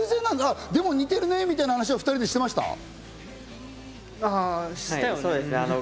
でも似てるねみたいな話は２人でしてました？